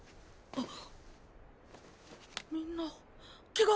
あっ！